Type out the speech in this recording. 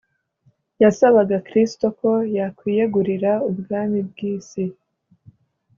yasabaga Kristo ko yakwiyegurira ubwami bw’isi